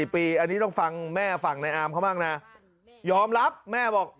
๔ปีอันนี้ต้องฟังแม่ฝั่งในอาร์มเขาบ้างนะยอมรับแม่บอก